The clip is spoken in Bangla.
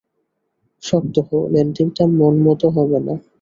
শক্ত হও, ল্যান্ডিংটা মনমতো হবে না।